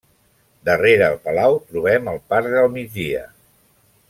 Darrere el Palau trobem el Parc del Migdia.